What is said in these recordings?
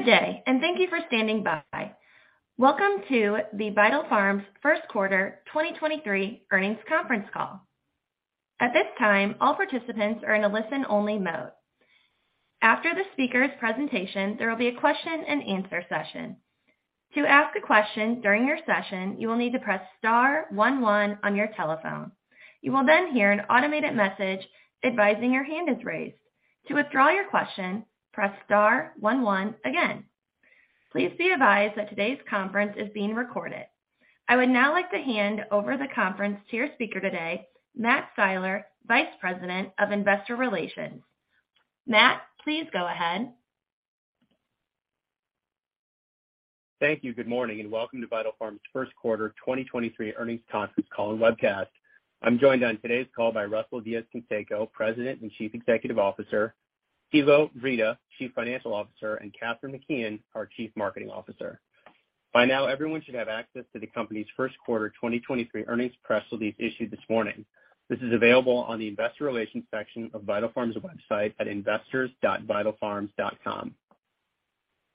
Good day, thank you for standing by. Welcome to the Vital Farms first quarter 2023 earnings conference call. At this time, all participants are in a listen-only mode. After the speaker's presentation, there will be a question-and-answer session. To ask a question during your session, you will need to press star one one on your telephone. You will hear an automated message advising your hand is raised. To withdraw your question, press star one one again. Please be advised that today's conference is being recorded. I would now like to hand over the conference to your speaker today, Matt Siler, Vice President of investor relations. Matt, please go ahead. Thank you. Good morning, welcome to Vital Farms first quarter 2023 earnings conference call and webcast. I'm joined on today's call by Russell Diez-Canseco, President and Chief Executive Officer, Thilo Wrede, Chief Financial Officer, and Kathryn McKeon, our Chief Marketing Officer. By now, everyone should have access to the company's first-quarter 2023 earnings press release issued this morning. This is available on the investor relations section of Vital Farms' website at investors.vitalfarms.com.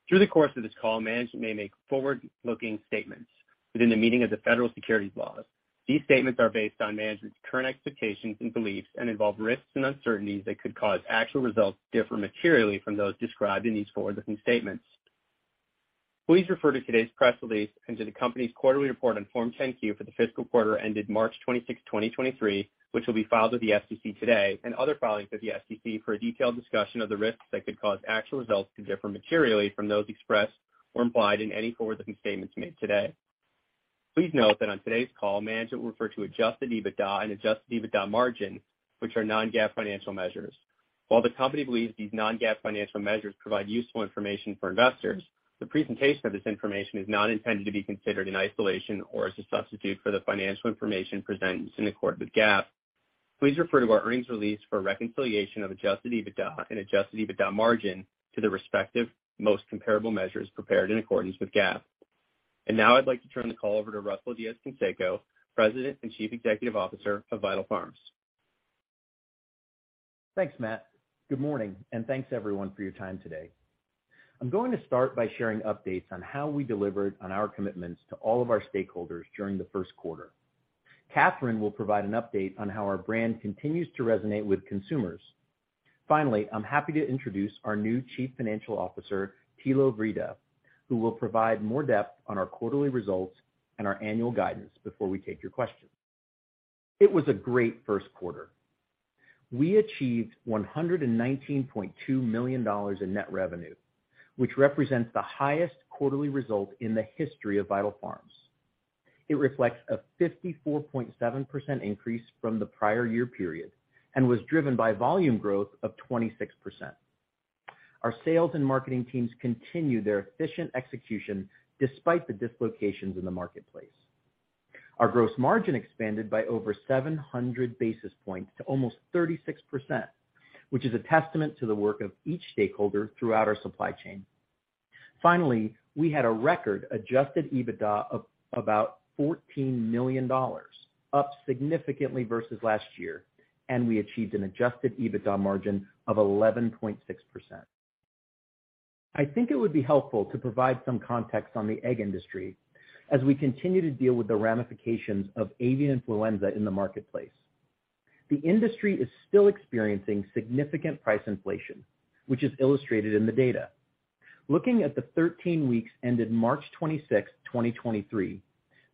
Through the course of this call, management may make forward-looking statements within the meaning of the federal securities laws. These statements are based on management's current expectations and beliefs and involve risks and uncertainties that could cause actual results to differ materially from those described in these forward-looking statements. Please refer to today's press release and to the company's quarterly report on Form 10-Q for the fiscal quarter ended March 26th, 2023, which will be filed with the SEC today, and other filings with the SEC for a detailed discussion of the risks that could cause actual results to differ materially from those expressed or implied in any forward-looking statements made today. Please note that on today's call, management will refer to adjusted EBITDA and adjusted EBITDA margin, which are non-GAAP financial measures. While the company believes these non-GAAP financial measures provide useful information for investors, the presentation of this information is not intended to be considered in isolation or as a substitute for the financial information presented in accordance with GAAP. Please refer to our earnings release for a reconciliation of adjusted EBITDA and adjusted EBITDA margin to the respective most comparable measures prepared in accordance with GAAP. Now I'd like to turn the call over to Russell Diez-Canseco, President and Chief Executive Officer of Vital Farms. Thanks, Matt. Good morning. Thanks everyone for your time today. I'm going to start by sharing updates on how we delivered on our commitments to all of our stakeholders during the first quarter. Kathryn will provide an update on how our brand continues to resonate with consumers. Finally, I'm happy to introduce our new Chief Financial Officer, Thilo Wrede, who will provide more depth on our quarterly results and our annual guidance before we take your questions. It was a great first quarter. We achieved $119.2 million in net revenue, which represents the highest quarterly result in the history of Vital Farms. It reflects a 54.7% increase from the prior year period and was driven by volume growth of 26%. Our sales and marketing teams continued their efficient execution despite the dislocations in the marketplace. Our gross margin expanded by over 700 basis points to almost 36%, which is a testament to the work of each stakeholder throughout our supply chain. We had a record adjusted EBITDA of about $14 million, up significantly versus last year, and we achieved an adjusted EBITDA margin of 11.6%. I think it would be helpful to provide some context on the egg industry as we continue to deal with the ramifications of avian influenza in the marketplace. The industry is still experiencing significant price inflation, which is illustrated in the data. Looking at the 13 weeks ended March 26th, 2023,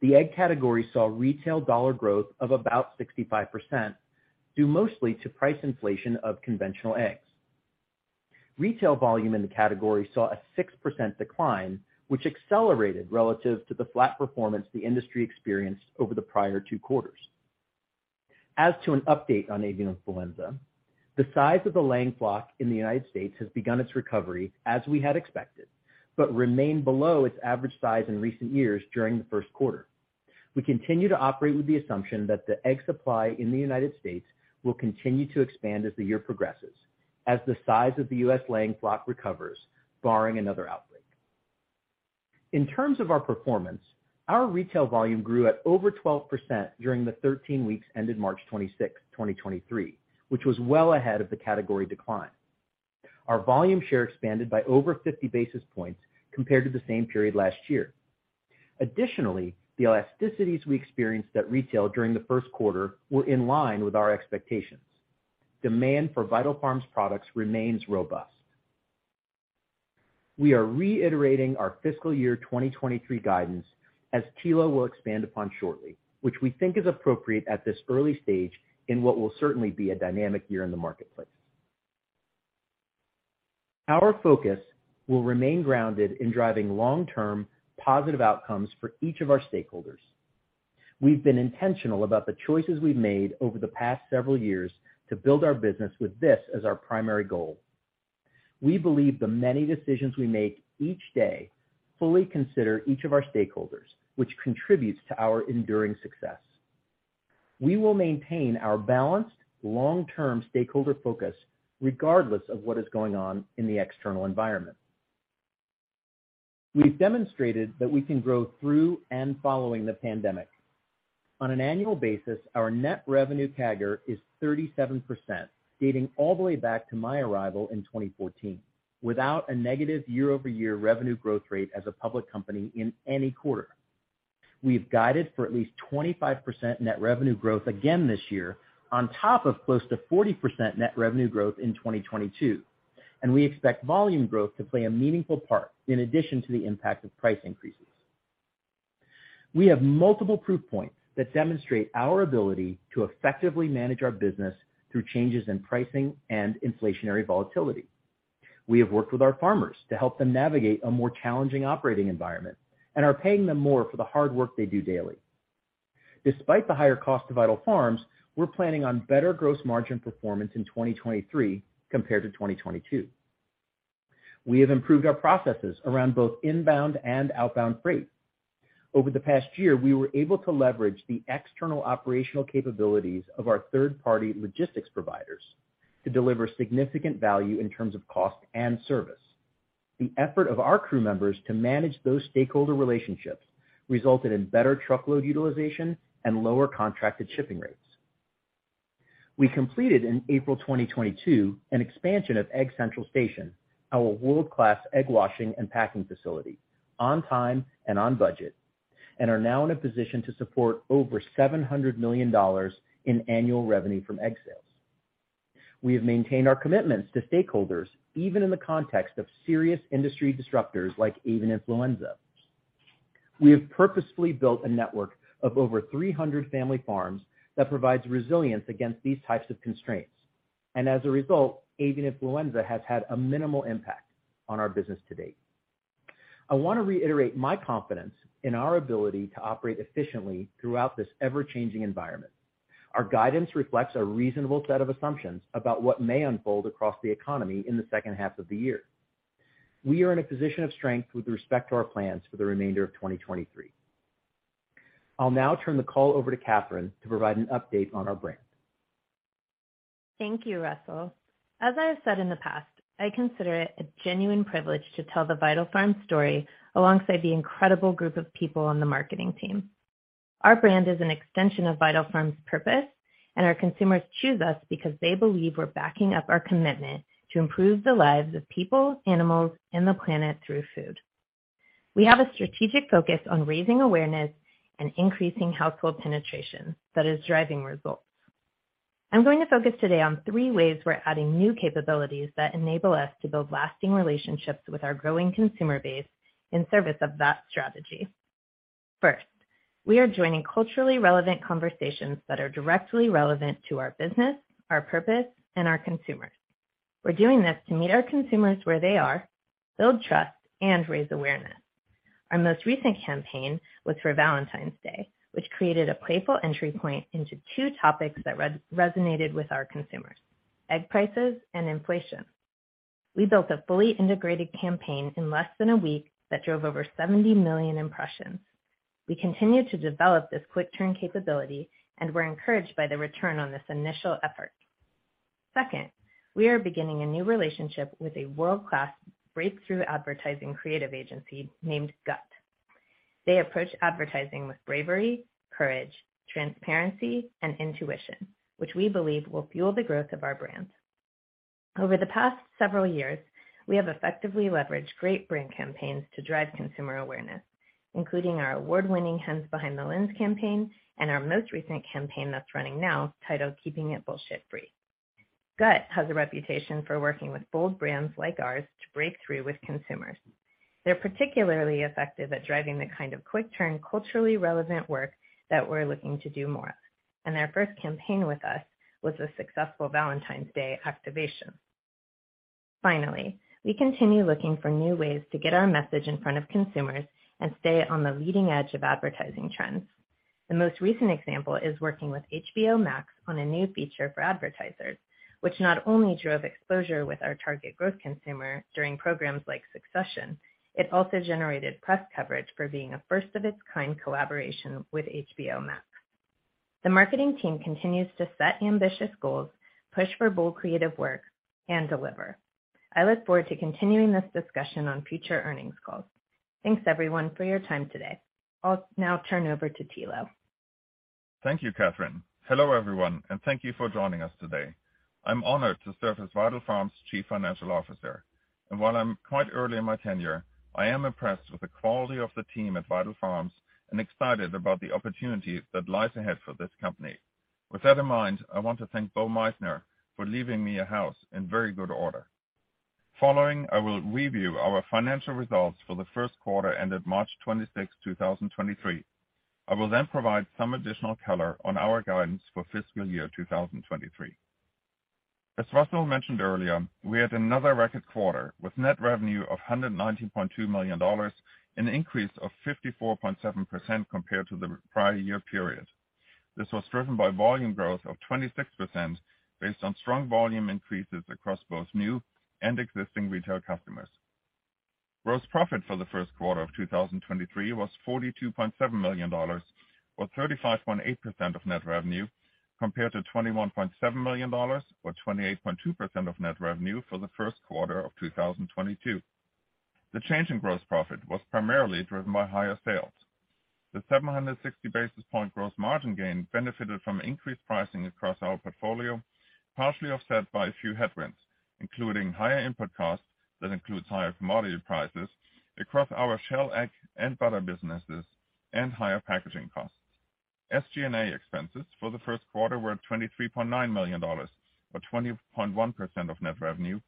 the egg category saw retail dollar growth of about 65%, due mostly to price inflation of conventional eggs. Retail volume in the category saw a 6% decline, which accelerated relative to the flat performance the industry experienced over the prior two quarters. As to an update on avian influenza, the size of the laying flock in the U.S. has begun its recovery, as we had expected, but remained below its average size in recent years during the first quarter. We continue to operate with the assumption that the egg supply in the U.S. will continue to expand as the year progresses as the size of the U.S. laying flock recovers, barring another outbreak. In terms of our performance, our retail volume grew at over 12% during the 13 weeks ended March 26th, 2023, which was well ahead of the category decline. Our volume share expanded by over 50 basis points compared to the same period last year. The elasticities we experienced at retail during the first quarter were in line with our expectations. Demand for Vital Farms products remains robust. We are reiterating our fiscal year 2023 guidance, as Tilo will expand upon shortly, which we think is appropriate at this early stage in what will certainly be a dynamic year in the marketplace. Our focus will remain grounded in driving long-term positive outcomes for each of our stakeholders. We've been intentional about the choices we've made over the past several years to build our business with this as our primary goal. We believe the many decisions we make each day fully consider each of our stakeholders, which contributes to our enduring success. We will maintain our balanced long-term stakeholder focus regardless of what is going on in the external environment. We've demonstrated that we can grow through and following the pandemic. On an annual basis, our net revenue CAGR is 37%, dating all the way back to my arrival in 2014, without a negative year-over-year revenue growth rate as a public company in any quarter. We've guided for at least 25% net revenue growth again this year on top of close to 40% net revenue growth in 2022, and we expect volume growth to play a meaningful part in addition to the impact of price increases. We have multiple proof points that demonstrate our ability to effectively manage our business through changes in pricing and inflationary volatility. We have worked with our farmers to help them navigate a more challenging operating environment and are paying them more for the hard work they do daily. Despite the higher cost to Vital Farms, we're planning on better gross margin performance in 2023 compared to 2022. We have improved our processes around both inbound and outbound freight. Over the past year, we were able to leverage the external operational capabilities of our third-party logistics providers to deliver significant value in terms of cost and service. The effort of our crew members to manage those stakeholder relationships resulted in better truckload utilization and lower contracted shipping rates. We completed in April 2022 an expansion of Egg Central Station, our world-class egg washing and packing facility on time and on budget, and are now in a position to support over $700 million in annual revenue from egg sales. We have maintained our commitments to stakeholders, even in the context of serious industry disruptors like avian influenza. We have purposefully built a network of over 300 family farms that provides resilience against these types of constraints. As a result, avian influenza has had a minimal impact on our business to date. I wanna reiterate my confidence in our ability to operate efficiently throughout this ever-changing environment. Our guidance reflects a reasonable set of assumptions about what may unfold across the economy in the second half of the year. We are in a position of strength with respect to our plans for the remainder of 2023. I'll now turn the call over to Kathryn to provide an update on our brand. Thank you, Russell. As I have said in the past, I consider it a genuine privilege to tell the Vital Farms story alongside the incredible group of people on the marketing team. Our brand is an extension of Vital Farms' purpose. Our consumers choose us because they believe we're backing up our commitment to improve the lives of people, animals, and the planet through food. We have a strategic focus on raising awareness and increasing household penetration that is driving results. I'm going to focus today on three ways we're adding new capabilities that enable us to build lasting relationships with our growing consumer base in service of that strategy. First, we are joining culturally relevant conversations that are directly relevant to our business, our purpose, and our consumers. We're doing this to meet our consumers where they are, build trust, and raise awareness. Our most recent campaign was for Valentine's Day, which created a playful entry point into two topics that resonated with our consumers: egg prices and inflation. We built a fully integrated campaign in less than a week that drove over 70 million impressions. We continue to develop this quick turn capability, we're encouraged by the return on this initial effort. Second, we are beginning a new relationship with a world-class breakthrough advertising creative agency named GUT. They approach advertising with bravery, courage, transparency, and intuition, which we believe will fuel the growth of our brands. Over the past several years, we have effectively leveraged great brand campaigns to drive consumer awareness, including our award-winning Hens Behind the Lens campaign and our most recent campaign that's running now titled Keeping It Bullshit Free. GUT has a reputation for working with bold brands like ours to break through with consumers. They're particularly effective at driving the kind of quick-turn, culturally relevant work that we're looking to do more of, and their first campaign with us was a successful Valentine's Day activation. Finally, we continue looking for new ways to get our message in front of consumers and stay on the leading edge of advertising trends. The most recent example is working with HBO Max on a new feature for advertisers, which not only drove exposure with our target growth consumer during programs like Succession, it also generated press coverage for being a first of its kind collaboration with HBO Max. The marketing team continues to set ambitious goals, push for bold creative work, and deliver. I look forward to continuing this discussion on future earnings calls. Thanks everyone for your time today. I'll now turn over to Thilo. Thank you, Kathryn McKeon. Hello, everyone, and thank you for joining us today. I'm honored to serve as Vital Farms' Chief Financial Officer, and while I'm quite early in my tenure, I am impressed with the quality of the team at Vital Farms and excited about the opportunity that lies ahead for this company. With that in mind, I want to thank Bo Meissner for leaving me a house in very good order. Following, I will review our financial results for the first quarter ended March 26, 2023. I will then provide some additional color on our guidance for fiscal year 2023. As Russell Diez-Canseco mentioned earlier, we had another record quarter with net revenue of $119.2 million, an increase of 54.7% compared to the prior year period. This was driven by volume growth of 26% based on strong volume increases across both new and existing retail customers. Gross profit for the first quarter of 2023 was $42.7 million, or 35.8% of net revenue, compared to $21.7 million or 28.2% of net revenue for the first quarter of 2022. The change in gross profit was primarily driven by higher sales. The 760 basis point gross margin gain benefited from increased pricing across our portfolio, partially offset by a few headwinds, including higher input costs that includes higher commodity prices across our shell egg and butter businesses and higher packaging costs. SG&A expenses for the first quarter were $23.9 million, or 20.1% of net revenue,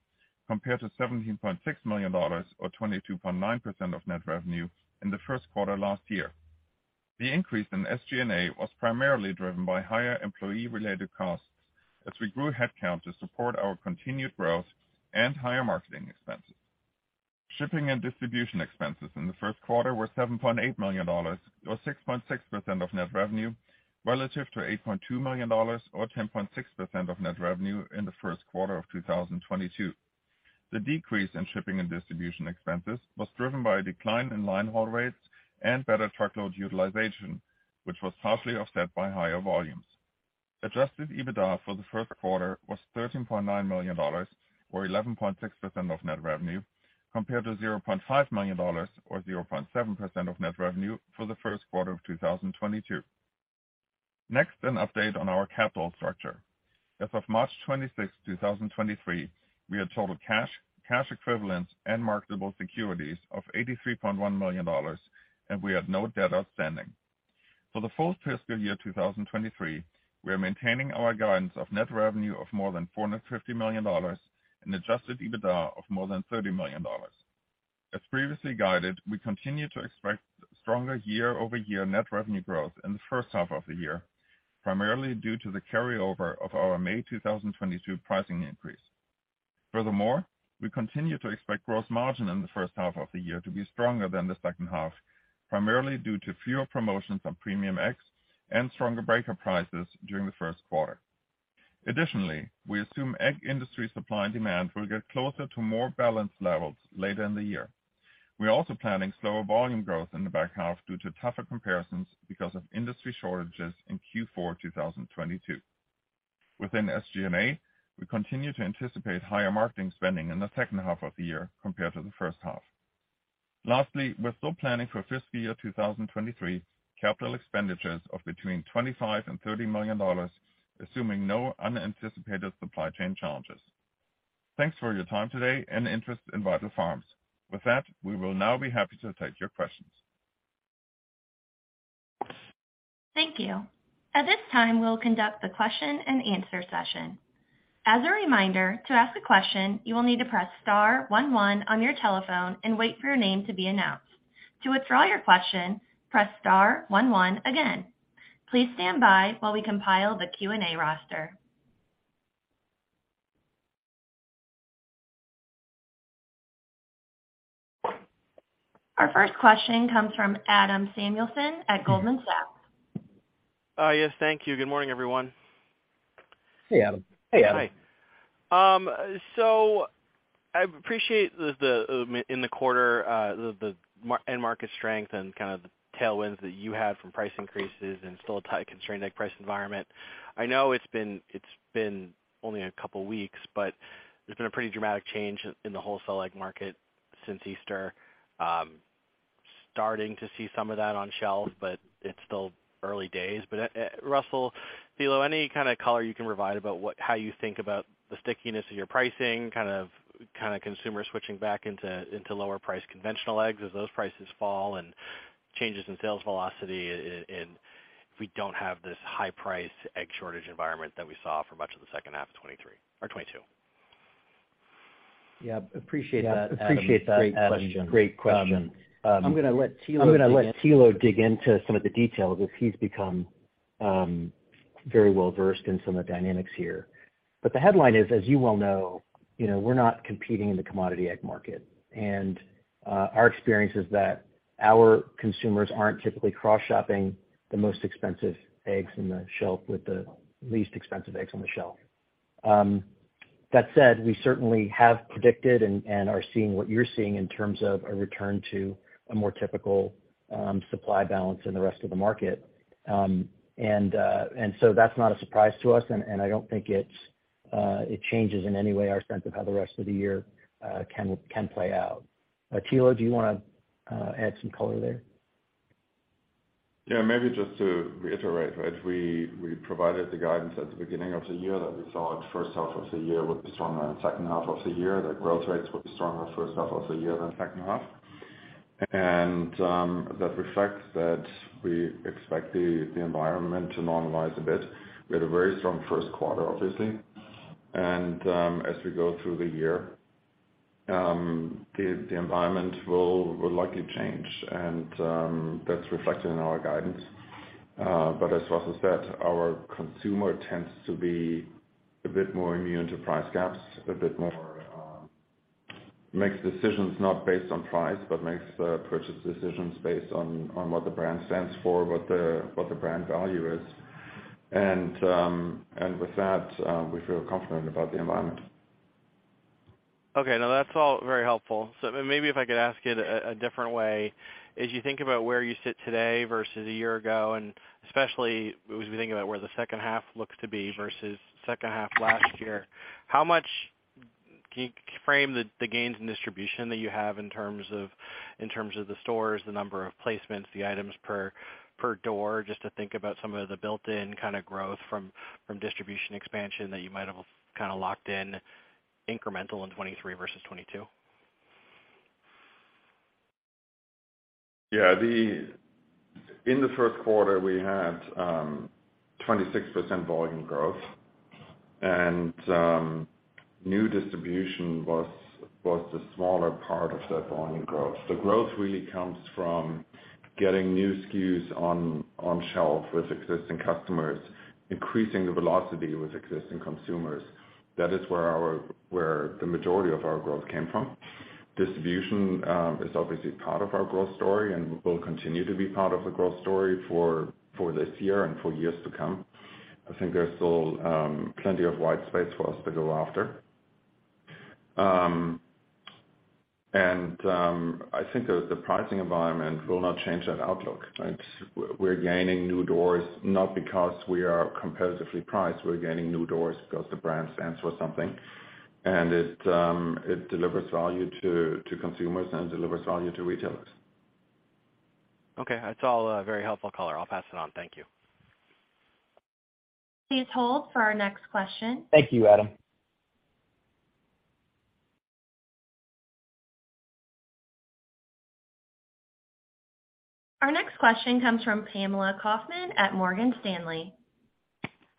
compared to $17.6 million or 22.9% of net revenue in the first quarter last year. The increase in SG&A was primarily driven by higher employee-related costs as we grew headcount to support our continued growth and higher marketing expenses. Shipping and distribution expenses in the first quarter were $7.8 million, or 6.6% of net revenue, relative to $8.2 million or 10.6% of net revenue in the first quarter of 2022. The decrease in shipping and distribution expenses was driven by a decline in line haul rates and better truckload utilization, which was partially offset by higher volumes. Adjusted EBITDA for the first quarter was $13.9 million or 11.6% of net revenue, compared to $0.5 million or 0.7% of net revenue for the first quarter of 2022. An update on our capital structure. As of March 26th, 2023, we had total cash equivalents and marketable securities of $83.1 million. We had no debt outstanding. For the full fiscal year 2023, we are maintaining our guidance of net revenue of more than $450 million and adjusted EBITDA of more than $30 million. As previously guided, we continue to expect stronger year-over-year net revenue growth in the first half of the year, primarily due to the carryover of our May 2022 pricing increase. Furthermore, we continue to expect gross margin in the first half of the year to be stronger than the second half, primarily due to fewer promotions on premium eggs and stronger breaker prices during the first quarter. Additionally, we assume egg industry supply and demand will get closer to more balanced levels later in the year. We're also planning slower volume growth in the back half due to tougher comparisons because of industry shortages in Q4 2022. Within SG&A, we continue to anticipate higher marketing spending in the second half of the year compared to the first half. Lastly, we're still planning for fiscal year 2023 capital expenditures of between $25 million and $30 million, assuming no unanticipated supply chain challenges. Thanks for your time today and interest in Vital Farms. We will now be happy to take your questions. Thank you. At this time, we'll conduct the question-and-answer session. As a reminder, to ask a question, you will need to press star one one on your telephone and wait for your name to be announced. To withdraw your question, press star one one again. Please stand by while we compile the Q&A roster. Our first question comes from Adam Samuelson at Goldman Sachs. yes, thank you. Good morning, everyone. Hey, Adam. Hey, Adam. Hi. I appreciate the in the quarter, the end market strength and kinda the tailwinds that you had from price increases and still a tight constrained egg price environment. I know it's been only a couple weeks, but there's been a pretty dramatic change in the wholesale egg market since Easter. Starting to see some of that on shelves, but it's still early days. Russell, Thilo, any kinda color you can provide about how you think about the stickiness of your pricing, kinda consumer switching back into lower priced conventional eggs as those prices fall and changes in sales velocity in, if we don't have this high-priced egg shortage environment that we saw for much of the second half of 2023 or 2022? Yeah, appreciate that, Adam. Yeah, appreciate that, Adam. Great question. Great question. I'm gonna let Thilo dig in. I'm gonna let Thilo dig into some of the details as he's become very well-versed in some of the dynamics here. The headline is, as you well know, you know, we're not competing in the commodity egg market. Our experience is that our consumers aren't typically cross-shopping the most expensive eggs in the shelf with the least expensive eggs on the shelf. That said, we certainly have predicted and are seeing what you're seeing in terms of a return to a more typical supply balance in the rest of the market. That's not a surprise to us, and I don't think it changes in any way our sense of how the rest of the year can play out. Thilo, do you wanna add some color there? Yeah, maybe just to reiterate, right? We provided the guidance at the beginning of the year that we thought first half of the year would be stronger than second half of the year, that growth rates would be stronger first half of the year than second half. That reflects that we expect the environment to normalize a bit. We had a very strong first quarter, obviously. As we go through the year, the environment will likely change and that's reflected in our guidance. But as Russell said, our consumer tends to be a bit more immune to price gaps, a bit more, makes decisions not based on price, but makes the purchase decisions based on what the brand stands for, what the brand value is. And with that, we feel confident about the environment. Okay. No, that's all very helpful. Maybe if I could ask it a different way. As you think about where you sit today versus a year ago, and especially as we think about where the second half looks to be versus second half last year, how much can you frame the gains and distribution that you have in terms of the stores, the number of placements, the items per door, just to think about some of the built-in kinda growth from distribution expansion that you might have kind of locked in incremental in 2023 versus 2022? In the first quarter, we had 26% volume growth. New distribution was the smaller part of that volume growth. The growth really comes from getting new SKUs on shelf with existing customers, increasing the velocity with existing consumers. That is where the majority of our growth came from. Distribution is obviously part of our growth story, and will continue to be part of the growth story for this year and for years to come. I think there's still plenty of white space for us to go after. I think the pricing environment will not change that outlook, right? We're gaining new doors not because we are competitively priced. We're gaining new doors because the brand stands for something. And it delivers value to consumers and delivers value to retailers. Okay. That's all, very helpful, Thilo. I'll pass it on. Thank you. Please hold for our next question. Thank you, Adam. Our next question comes from Pamela Kaufman at Morgan Stanley.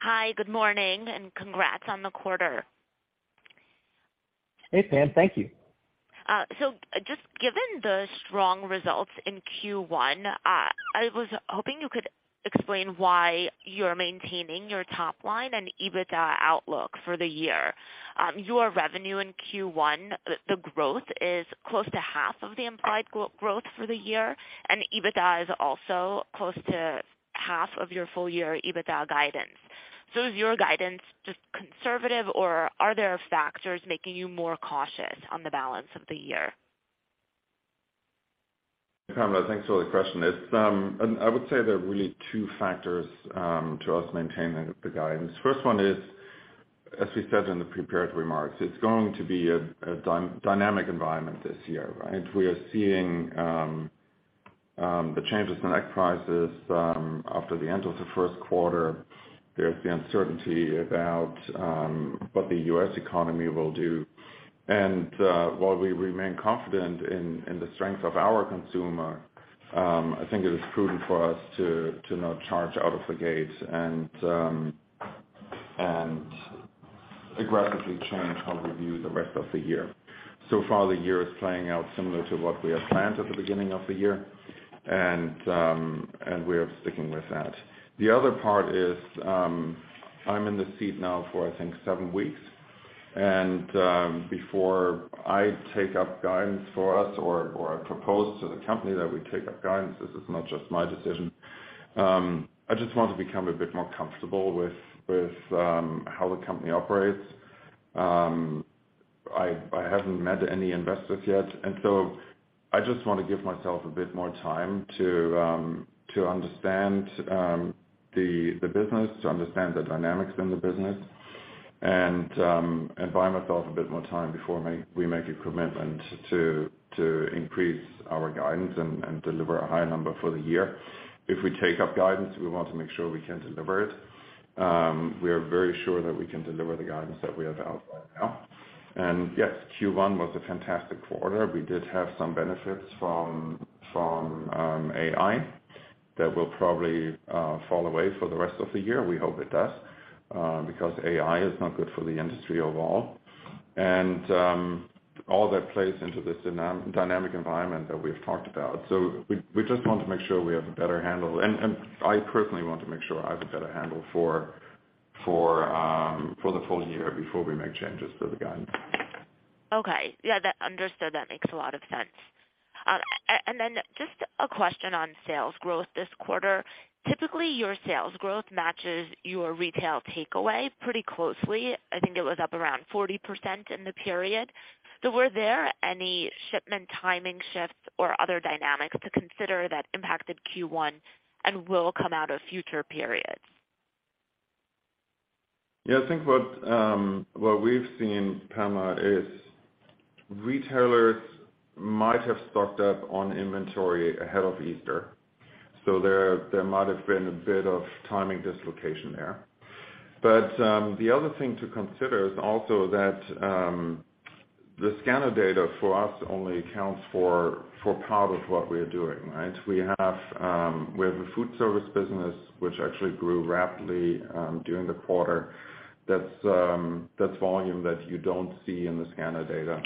Hi, good morning, and congrats on the quarter. Hey, Pam. Thank you. Just given the strong results in Q1, I was hoping you could explain why you're maintaining your top line and EBITDA outlook for the year. Your revenue in Q1, the growth is close to half of the implied growth for the year, and EBITDA is also close to half of your full year EBITDA guidance. Is your guidance just conservative, or are there factors making you more cautious on the balance of the year? Pamela, thanks for the question. It's, I would say there are really two factors to us maintaining the guidance. 1st one is, as we said in the prepared remarks, it's going to be a dynamic environment this year, right? We are seeing the changes in egg prices after the end of the 1st quarter. There's the uncertainty about what the U.S. economy will do. While we remain confident in the strength of our consumer, I think it is prudent for us to not charge out of the gate and aggressively change how we view the rest of the year. So far, the year is playing out similar to what we had planned at the beginning of the year, and we're sticking with that. The other part is, I'm in the seat now for, I think, seven weeks. Before I take up guidance for us or propose to the company that we take up guidance, this is not just my decision. I just want to become a bit more comfortable with how the company operates. I haven't met any investors yet, and so I just wanna give myself a bit more time to understand the business, to understand the dynamics in the business, and buy myself a bit more time before we make a commitment to increase our guidance and deliver a higher number for the year. If we take up guidance, we want to make sure we can deliver it. We are very sure that we can deliver the guidance that we have out right now. Yes, Q1 was a fantastic quarter. We did have some benefits from AI that will probably fall away for the rest of the year. We hope it does, because AI is not good for the industry overall. All that plays into this dynamic environment that we have talked about. We just want to make sure we have a better handle. I personally want to make sure I have a better handle for the full year before we make changes to the guidance. Okay. Yeah, that understood. That makes a lot of sense. Then just a question on sales growth this quarter. Typically, your sales growth matches your retail takeaway pretty closely. I think it was up around 40% in the period. Were there any shipment timing shifts or other dynamics to consider that impacted Q1 and will come out of future periods? Yeah. I think what we've seen, Pamela, is retailers might have stocked up on inventory ahead of Easter, there might have been a bit of timing dislocation there. The other thing to consider is also that the scanner data for us only accounts for part of what we're doing, right? We have a food service business which actually grew rapidly during the quarter. That's volume that you don't see in the scanner data.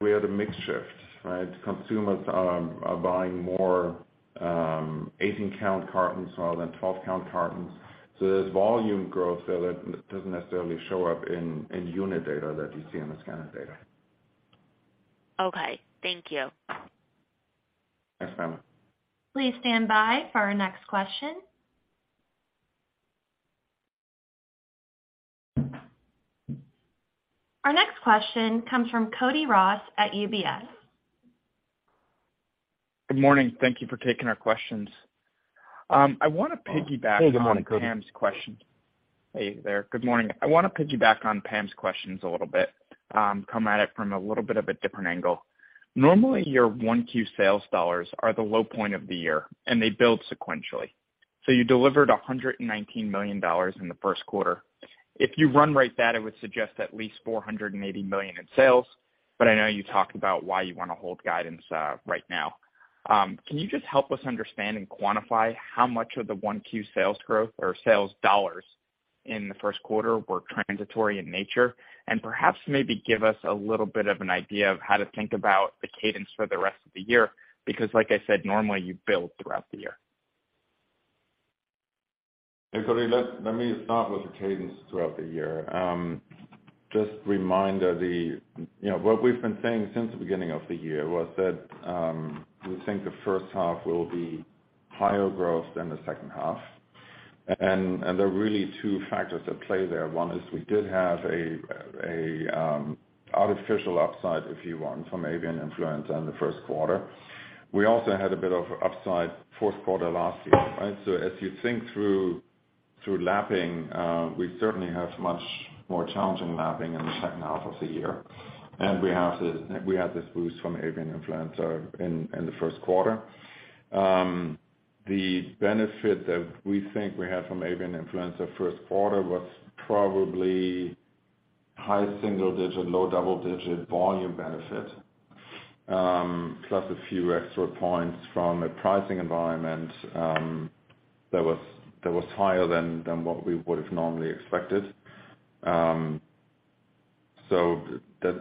We had a mix shift, right? Consumers are buying more 18-count cartons rather than 12-count cartons. There's volume growth there that doesn't necessarily show up in unit data that you see in the scanner data. Okay. Thank you. Thanks, Pamela. Please stand by for our next question. Our next question comes from Cody Ross at UBS. Good morning. Thank you for taking our questions. Hey, good morning, Cody. on Pam's question. Hey there. Good morning. I wanna piggyback on Pam's questions a little bit, come at it from a little bit of a different angle. Normally, your 1Q sales dollars are the low point of the year. They build sequentially. You delivered $119 million in the first quarter. If you run rate that, it would suggest at least $480 million in sales. I know you talked about why you wanna hold guidance right now. Can you just help us understand and quantify how much of the 1Q sales growth or sales dollars in the first quarter were transitory in nature? Perhaps maybe give us a little bit of an idea of how to think about the cadence for the rest of the year, because like I said, normally you build throughout the year. Hey, Cody, let me start with the cadence throughout the year. Just a reminder, you know, what we've been saying since the beginning of the year was that we think the first half will be higher growth than the second half. There are really two factors at play there. One is we did have a artificial upside, if you want, from avian influenza in the first quarter. We also had a bit of upside fourth quarter last year, right? So as you think through lapping, we certainly have much more challenging lapping in the second half of the year. We had this boost from avian influenza in the first quarter. The benefit that we think we had from avian influenza first quarter was probably high single digit%, low double digit% volume benefit, plus a few extra percentage points from a pricing environment, that was higher than what we would have normally expected.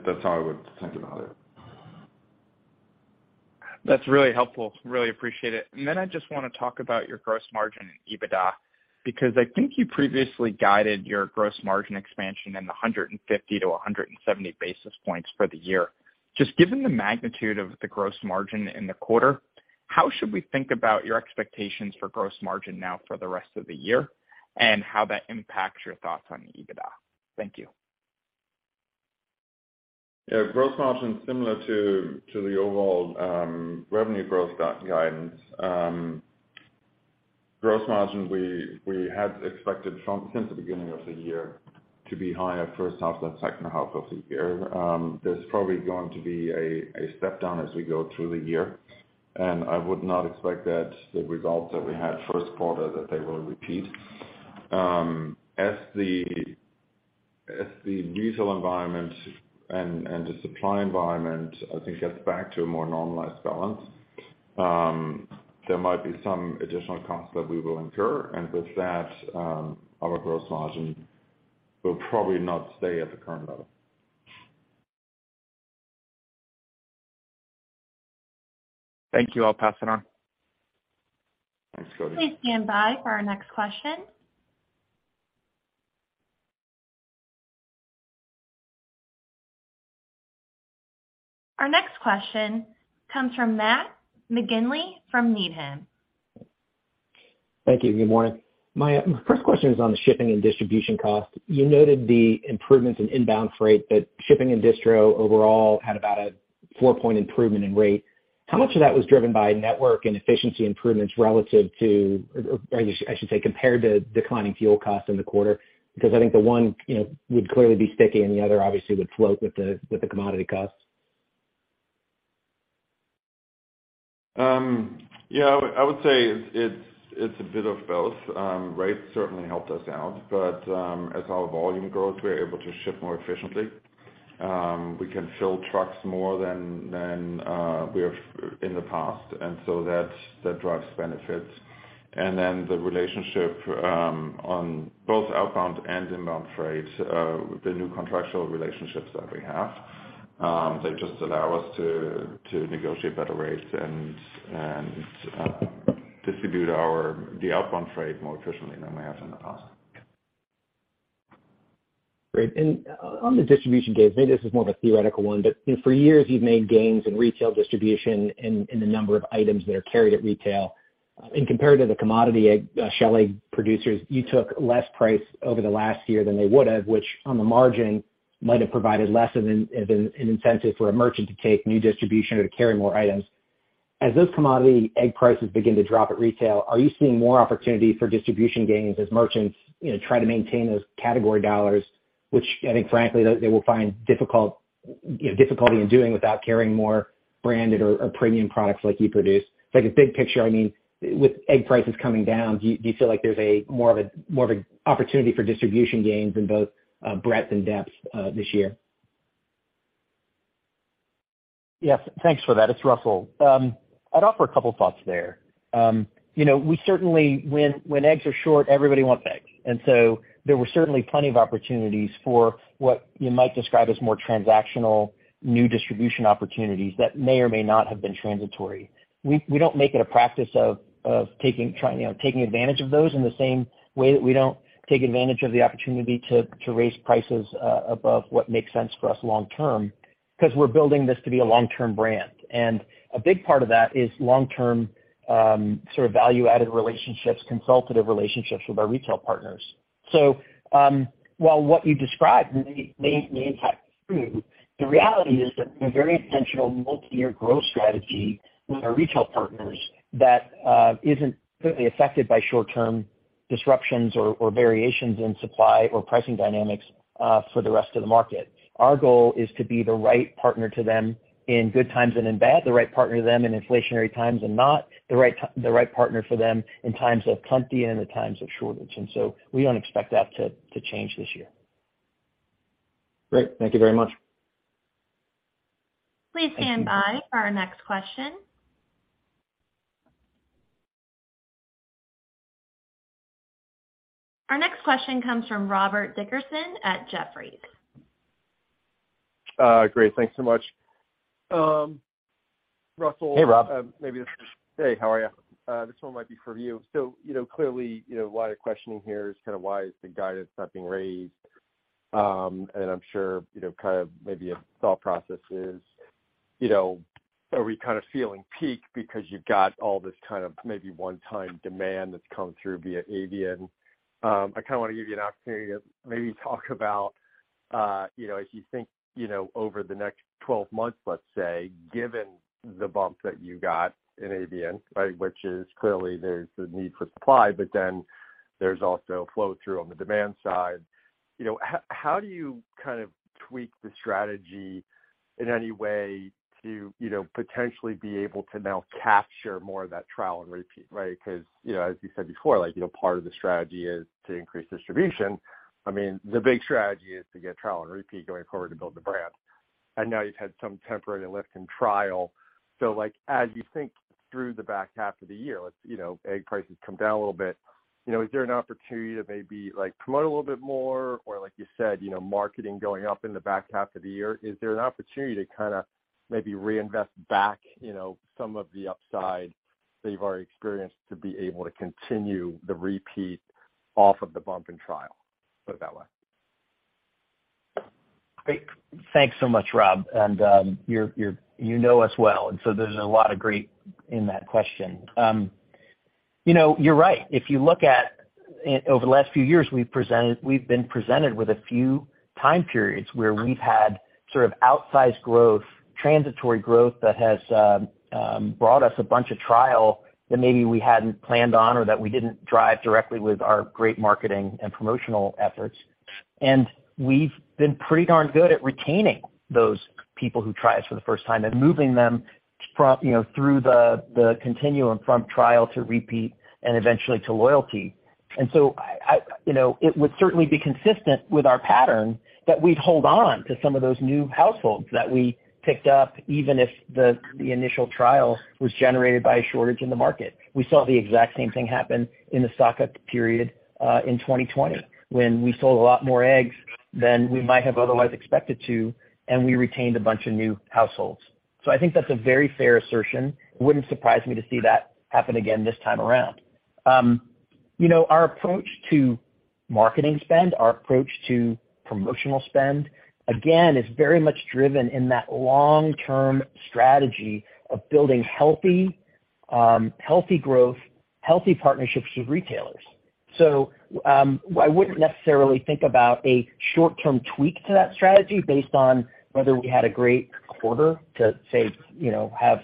That's how I would think about it. That's really helpful. Really appreciate it. I just wanna talk about your gross margin and EBITDA, because I think you previously guided your gross margin expansion in the 150-170 basis points for the year. Just given the magnitude of the gross margin in the quarter, how should we think about your expectations for gross margin now for the rest of the year, and how that impacts your thoughts on the EBITDA? Thank you. Yeah, gross margin is similar to the overall revenue growth guidance. Gross margin, we had expected since the beginning of the year to be higher first half than second half of the year. There's probably going to be a step down as we go through the year, and I would not expect that the results that we had first quarter, that they will repeat. As the diesel environment and the supply environment, I think, gets back to a more normalized balance, there might be some additional costs that we will incur. With that, our gross margin will probably not stay at the current level. Thank you. I'll pass it on. Thanks, Cody. Please stand by for our next question. Our next question comes from Matt McGinley from Needham. Thank you, good morning. My first question is on the shipping and distribution cost. You noted the improvements in inbound freight, but shipping and distro overall had about a four-point improvement in rate. How much of that was driven by network and efficiency improvements relative to, or I should say, compared to declining fuel costs in the quarter? Because I think the one, you know, would clearly be sticky and the other obviously would float with the commodity costs. Yeah, I would say it's a bit of both. Rates certainly helped us out, as our volume grows, we're able to ship more efficiently. We can fill trucks more than we have in the past, that drives benefits. The relationship on both outbound and inbound freight, the new contractual relationships that we have, they just allow us to negotiate better rates and distribute the outbound freight more efficiently than we have in the past. Great. On the distribution gains, maybe this is more of a theoretical one, but for years you've made gains in retail distribution in the number of items that are carried at retail. Compared to the commodity egg, shell egg producers, you took less price over the last year than they would have, which on the margin might have provided less of an incentive for a merchant to take new distribution or to carry more items. As those commodity egg prices begin to drop at retail, are you seeing more opportunity for distribution gains as merchants, you know, try to maintain those category dollars, which I think frankly they will find difficult, you know, difficulty in doing without carrying more branded or premium products like you produce? Like a big picture, I mean, with egg prices coming down, do you feel like there's a more of a opportunity for distribution gains in both, breadth and depth, this year? Yes. Thanks for that. It's Russell. I'd offer a couple thoughts there. you know, we certainly when eggs are short, everybody wants eggs. There were certainly plenty of opportunities for what you might describe as more transactional new distribution opportunities that may or may not have been transitory. We don't make it a practice of taking, you know, taking advantage of those in the same way that we don't take advantage of the opportunity to raise prices above what makes sense for us long term, 'cause we're building this to be a long-term brand. A big part of that is long-term, sort of value-added relationships, consultative relationships with our retail partners. While what you described may in fact be true, the reality is that we have a very intentional multi-year growth strategy with our retail partners that isn't really affected by short-term disruptions or variations in supply or pricing dynamics for the rest of the market. Our goal is to be the right partner to them in good times and in bad, the right partner to them in inflationary times and not, the right partner for them in times of plenty and in times of shortage. We don't expect that to change this year. Great. Thank you very much. Please stand by for our next question. Our next question comes from Robert Dickerson at Jefferies. Great. Thanks so much. Hey, Rob. Maybe this is... Hey, how are you? This one might be for you. Clearly, you know, a lot of questioning here is kind of why is the guidance not being raised? I'm sure, you know, kind of maybe a thought process is, you know, are we kind of feeling peak because you've got all this kind of maybe one-time demand that's come through via avian? I kinda wanna give you an opportunity to maybe talk about, you know, as you think, you know, over the next 12 months, let's say, given the bump that you got in avian, right, which is clearly there's the need for supply, but then there's also flow through on the demand side. You know, how do you kind of tweak the strategy in any way to, you know, potentially be able to now capture more of that trial and repeat, right? 'Cause, you know, as you said before, like, you know, part of the strategy is to increase distribution. I mean, the big strategy is to get trial and repeat going forward to build the brand. Now you've had some temporary lift in trial. Like, as you think through the back half of the year, let's, you know, egg prices come down a little bit. You know, is there an opportunity to maybe, like, promote a little bit more? Like you said, you know, marketing going up in the back half of the year, is there an opportunity to kinda maybe reinvest back, you know, some of the upside that you've already experienced to be able to continue the repeat off of the bump in trial? Put it that way. Great. Thanks so much, Rob. You're, you know us well, there's a lot of great in that question. You know, you're right. If you look at over the last few years, we've been presented with a few time periods where we've had sort of outsized growth, transitory growth that has brought us a bunch of trial that maybe we hadn't planned on or that we didn't drive directly with our great marketing and promotional efforts. We've been pretty darn good at retaining those people who try us for the first time and moving them from, you know, through the continuum from trial to repeat and eventually to loyalty. I... You know, it would certainly be consistent with our pattern that we'd hold on to some of those new households that we picked up, even if the initial trial was generated by a shortage in the market. We saw the exact same thing happen in the stock up period in 2020, when we sold a lot more eggs than we might have otherwise expected to, and we retained a bunch of new households. I think that's a very fair assertion. It wouldn't surprise me to see that happen again this time around. You know, our approach to marketing spend, our approach to promotional spend, again, is very much driven in that long-term strategy of building healthy growth, healthy partnerships with retailers. I wouldn't necessarily think about a short-term tweak to that strategy based on whether we had a great quarter to say, you know, have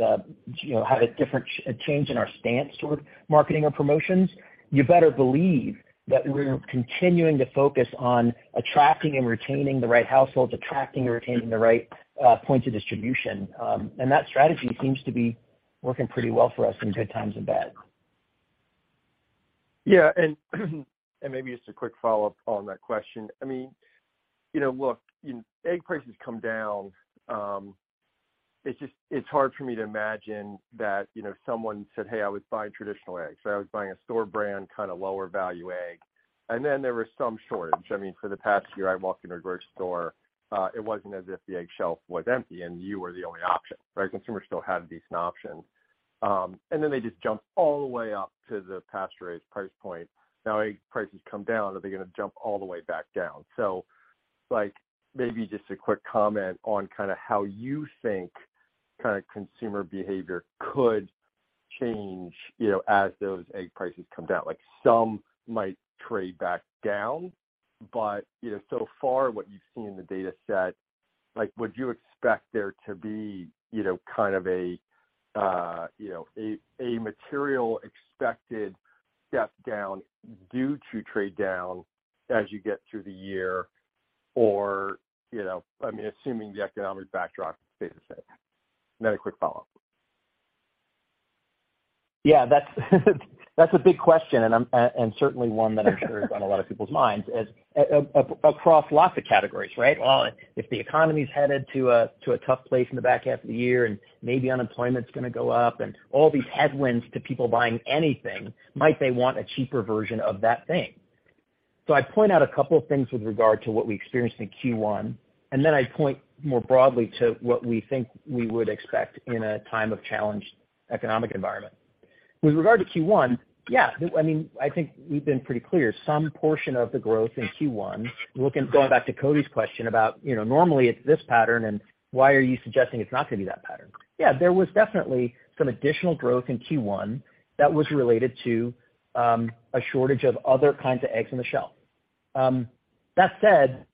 a different change in our stance toward marketing or promotions. You better believe that we're continuing to focus on attracting and retaining the right households, attracting and retaining the right points of distribution. That strategy seems to be working pretty well for us in good times and bad. Yeah. Maybe just a quick follow-up on that question. I mean, you know, look, egg prices come down. It's just, it's hard for me to imagine that, you know, someone said, "Hey, I was buying traditional eggs. I was buying a store brand, kind of lower value egg." There was some shortage. I mean, for the past year, I walked into a grocery store, it wasn't as if the egg shelf was empty and you were the only option, right? Consumers still had decent options. They just jumped all the way up to the pasture-raised price point. Now egg prices come down, are they gonna jump all the way back down? Like, maybe just a quick comment on kinda how you think kinda consumer behavior could change, you know, as those egg prices come down. Like, some might trade back down, but, you know, so far what you've seen in the data set, like, would you expect there to be, you know, kind of a, you know, a material expected step down due to trade down as you get through the year, or, you know, I mean, assuming the economic backdrop stays the same? A quick follow-up. Yeah, that's a big question, and certainly one that I'm sure is on a lot of people's minds as across lots of categories, right? Well, if the economy's headed to a tough place in the back half of the year, and maybe unemployment's gonna go up and all these headwinds to people buying anything, might they want a cheaper version of that thing? I point out a couple of things with regard to what we experienced in Q1, and then I point more broadly to what we think we would expect in a time of challenged economic environment. With regard to Q1, yeah, I mean, I think we've been pretty clear. Some portion of the growth in Q1, looking, going back to Cody's question about, you know, normally it's this pattern and why are you suggesting it's not gonna be that pattern? Yeah, there was definitely some additional growth in Q1 that was related to a shortage of other kinds of eggs in the shell. That said,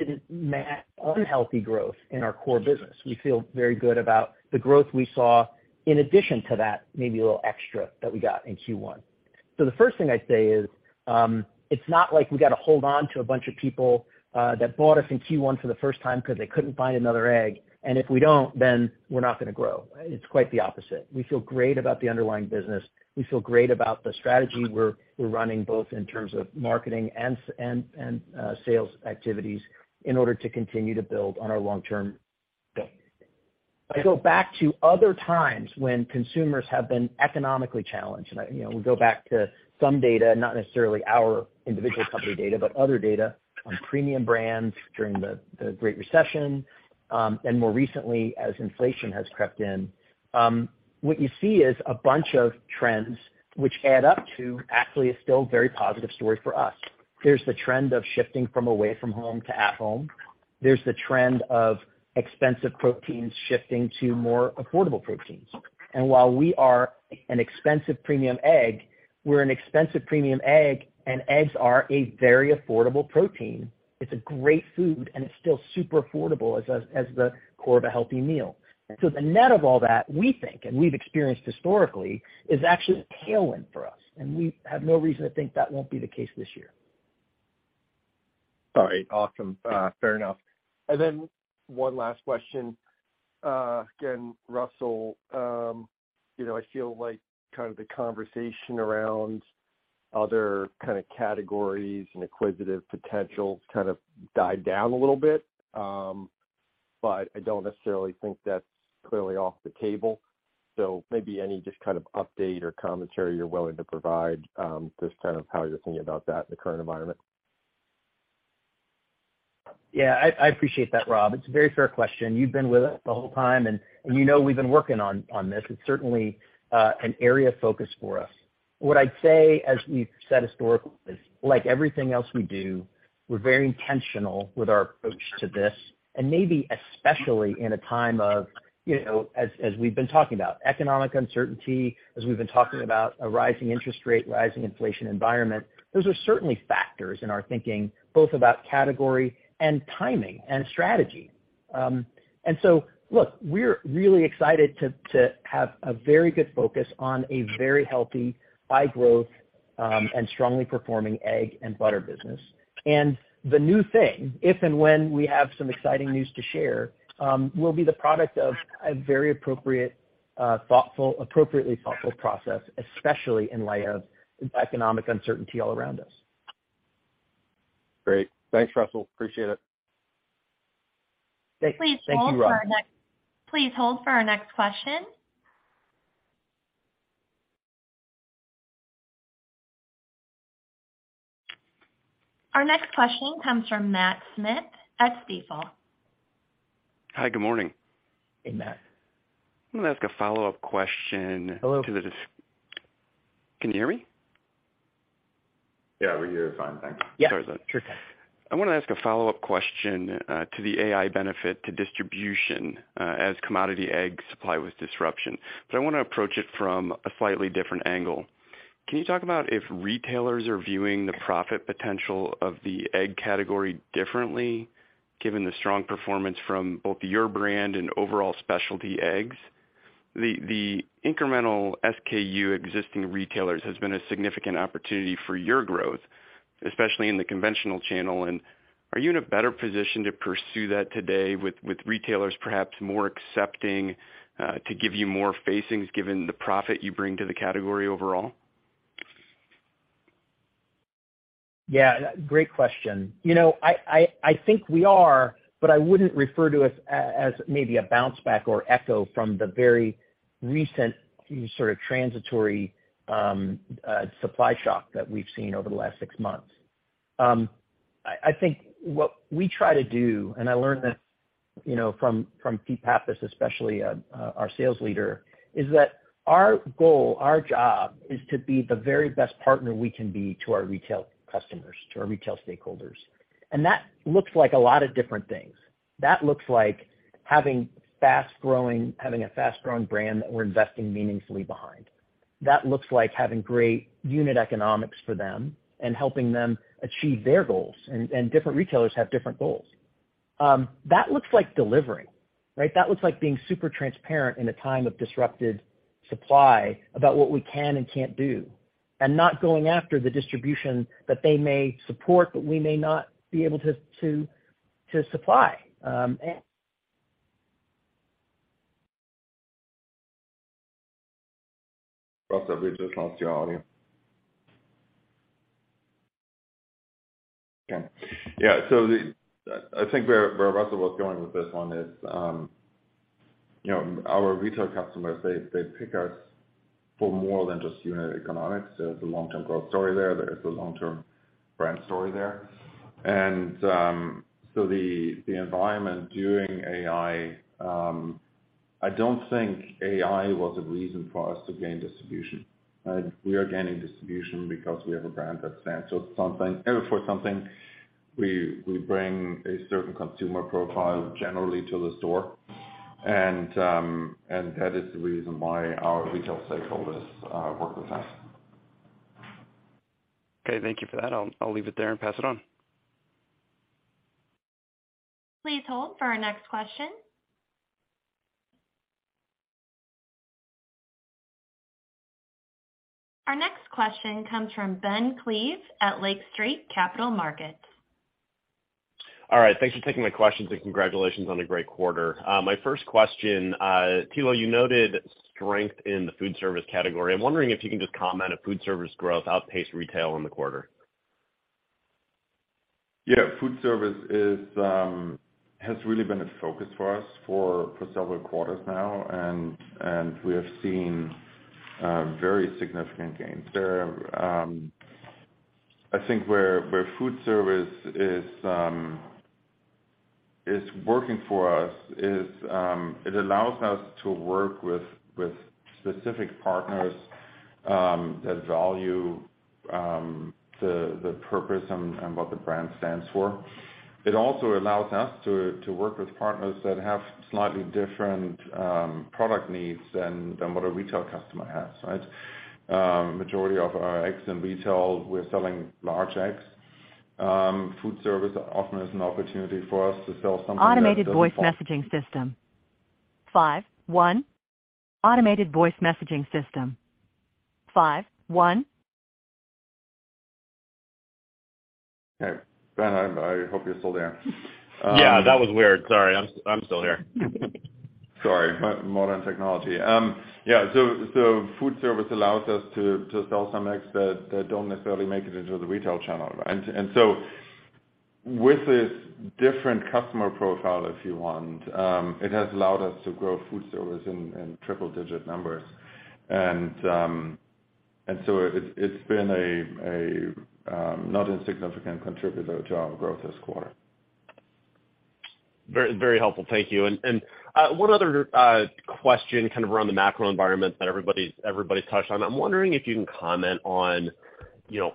it is unhealthy growth in our core business. We feel very good about the growth we saw in addition to that, maybe a little extra that we got in Q1. The first thing I'd say is, it's not like we got to hold on to a bunch of people that bought us in Q1 for the first time because they couldn't find another egg, and if we don't, then we're not going to grow. It's quite the opposite. We feel great about the underlying business. We feel great about the strategy we're running, both in terms of marketing and sales activities in order to continue to build on our long-term goal. If I go back to other times when consumers have been economically challenged, you know, we go back to some data, not necessarily our individual company data, but other data on premium brands during the Great Recession, and more recently as inflation has crept in, what you see is a bunch of trends which add up to actually a still very positive story for us. There's the trend of shifting from away from home to at home. There's the trend of expensive proteins shifting to more affordable proteins. While we're an expensive premium egg, and eggs are a very affordable protein. It's a great food, and it's still super affordable as a, as the core of a healthy meal. The net of all that, we think, and we've experienced historically, is actually a tailwind for us, and we have no reason to think that won't be the case this year. All right. Awesome. fair enough. One last question. again, Russell, you know, I feel like kind of the conversation around other kind of categories and acquisitive potential kind of died down a little bit. I don't necessarily think that's clearly off the table. Maybe any just kind of update or commentary you're willing to provide, just kind of how you're thinking about that in the current environment. Yeah. I appreciate that, Rob. It's a very fair question. You've been with us the whole time, and you know we've been working on this. It's certainly an area of focus for us. What I'd say, as we've said historically, is like everything else we do, we're very intentional with our approach to this. Maybe especially in a time of, you know, as we've been talking about economic uncertainty, as we've been talking about a rising interest rate, rising inflation environment, those are certainly factors in our thinking, both about category and timing and strategy. So look, we're really excited to have a very good focus on a very healthy, high-growth, and strongly performing egg and butter business. The new thing, if and when we have some exciting news to share, will be the product of a very appropriate, thoughtful, appropriately thoughtful process, especially in light of economic uncertainty all around us. Great. Thanks, Russell. Appreciate it. Thank you, Rob. Please hold for our next question. Our next question comes from Matthew Smith at Stifel. Hi. Good morning. Hey, Matt. I'm gonna ask a follow-up question. Hello? Can you hear me? Yeah. We hear you fine, thanks. Yeah. Sorry about that. Sure. I want to ask a follow-up question, to the AI benefit to distribution, as commodity egg supply was disruption. I wanna approach it from a slightly different angle. Can you talk about if retailers are viewing the profit potential of the egg category differently, given the strong performance from both your brand and overall specialty eggs? The incremental SKU existing retailers has been a significant opportunity for your growth, especially in the conventional channel, and are you in a better position to pursue that today with retailers perhaps more accepting, to give you more facings given the profit you bring to the category overall? Yeah. Great question. You know, I, I think we are, but I wouldn't refer to it as maybe a bounce back or echo from the very recent sort of transitory supply shock that we've seen over the last 6 months. I think what we try to do, and I learned this, you know, from Peter Pappas, especially, our sales leader, is that our goal, our job, is to be the very best partner we can be to our retail customers, to our retail stakeholders. That looks like a lot of different things. That looks like having a fast-growing brand that we're investing meaningfully behind. That looks like having great unit economics for them and helping them achieve their goals. Different retailers have different goals. That looks like delivering, right? That looks like being super transparent in a time of disrupted supply about what we can and can't do, and not going after the distribution that they may support, but we may not be able to supply. Russell, we just lost your audio. Okay. Yeah. I think where Russell was going with this one is, you know, our retail customers, they pick us for more than just unit economics. There's a long-term growth story there. There is a long-term brand story there. The environment during AI, I don't think AI was a reason for us to gain distribution. We are gaining distribution because we have a brand that stands for something. We bring a certain consumer profile generally to the store, and that is the reason why our retail stakeholders work with us. Okay, thank you for that. I'll leave it there and pass it on. Please hold for our next question. Our next question comes from Ben Klieve at Lake Street Capital Markets. All right, thanks for taking my questions and congratulations on a great quarter. My first question. Thilo, you noted strength in the food service category. I'm wondering if you can just comment if food service growth outpaced retail in the quarter. Yeah. Food service is has really been a focus for us for several quarters now, and we have seen very significant gains there. I think where food service is working for us is it allows us to work with specific partners that value the purpose and what the brand stands for. It also allows us to work with partners that have slightly different product needs than what a retail customer has, right? Majority of our eggs in retail, we're selling large eggs. Food service often is an opportunity for us to sell something. Automated voice messaging system. Five, one. Automated voice messaging system. Five, one. Hey, Ben, I hope you're still there. Yeah, that was weird. Sorry. I'm still here. Sorry. Modern technology. Food service allows us to sell some eggs that don't necessarily make it into the retail channel. With this different customer profile, if you want, it has allowed us to grow food service in triple digit numbers. It's been a not insignificant contributor to our growth this quarter. Very helpful. Thank you. One other question kind of around the macro environment that everybody's touched on. I'm wondering if you can comment on, you know,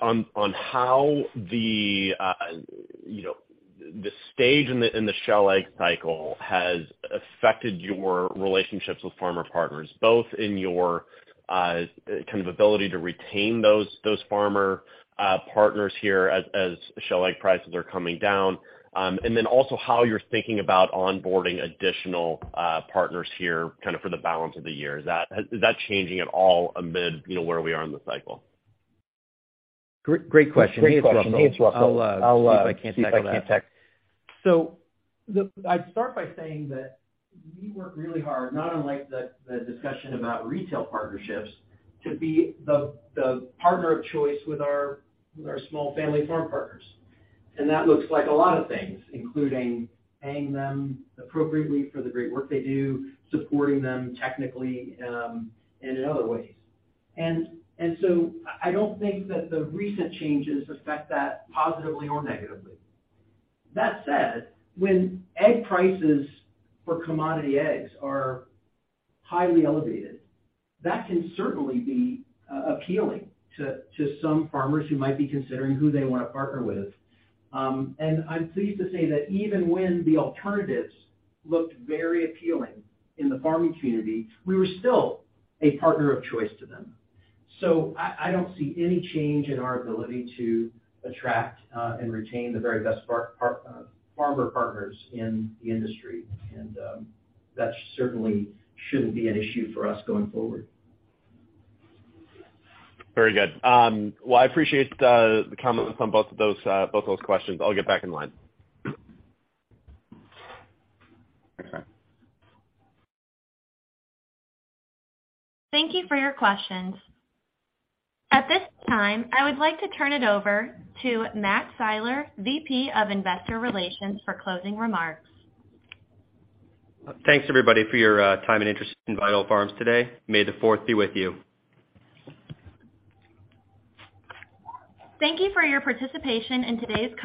on how the, you know, the stage in the shell egg cycle has affected your relationships with farmer partners, both in your kind of ability to retain those farmer partners here as shell egg prices are coming down. Then also how you're thinking about onboarding additional partners here kind of for the balance of the year. Is that changing at all amid, you know, where we are in the cycle? Great question. I'll see if I can't tackle that. I'd start by saying that we work really hard, not unlike the discussion about retail partnerships, to be the partner of choice with our small family farm partners. That looks like a lot of things, including paying them appropriately for the great work they do, supporting them technically and in other ways. I don't think that the recent changes affect that positively or negatively. That said, when egg prices for commodity eggs are highly elevated, that can certainly be appealing to some farmers who might be considering who they wanna partner with. I'm pleased to say that even when the alternatives looked very appealing in the farming community, we were still a partner of choice to them. I don't see any change in our ability to attract and retain the very best farmer partners in the industry. That certainly shouldn't be an issue for us going forward. Very good. Well, I appreciate the comments on both of those, both those questions. I'll get back in line. Okay. Thank you for your questions. At this time, I would like to turn it over to Matt Siler, VP of Investor Relations for closing remarks. Thanks, everybody, for your time and interest in Vital Farms today. May the fourth be with you. Thank you for your participation in today's